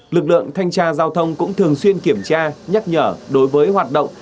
lực lượng thanh tra giao thông cũng thường xuyên kiểm tra nhắc nhở đối với hoạt động